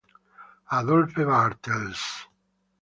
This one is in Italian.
Adolphe Bartels